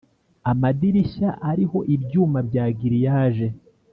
amadirishya ariho ibyuma bya giriyaje